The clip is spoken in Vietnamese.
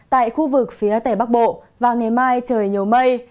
tại khu vực phía tây bắc bộ và ngày mai trời nhiều mây